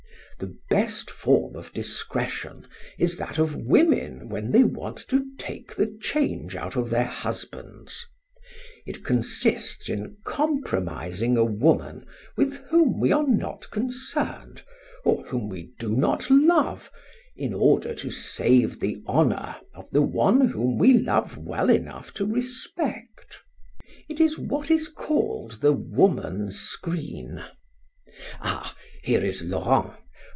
The best form of discretion is that of women when they want to take the change out of their husbands. It consists in compromising a woman with whom we are not concerned, or whom we do not love, in order to save the honor of the one whom we love well enough to respect. It is what is called the woman screen.... Ah! here is Laurent.